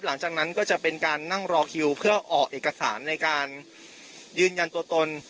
หลังจากนั้นก็จะเป็นการนั่งรอคิวเพื่อออกเอกสารในการยืนยันตัวตน